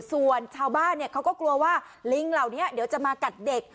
ส่วนชาวบ้านเขาก็กลัวว่าลิงเหล่านี้เดี๋ยวจะมากัดเด็ก